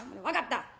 分かった。